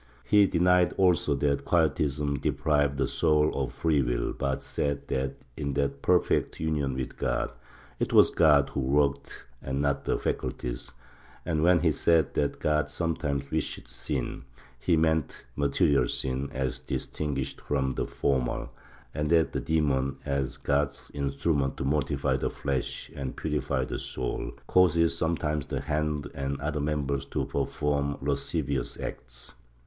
He denied also that Quietism deprived the soul of freewill, but said that, in that perfect union with God, it was God who worked and not the facul ties, and when he said that God sometimes wished sin, he meant material sin (as distinguished from formal), and that the demon, as God's instrument to mortify the flesh and purify the soul, causes sometimes the hand and other members to perform lascivious acts.